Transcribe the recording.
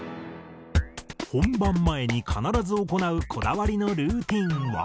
本番前に必ず行うこだわりのルーティンは？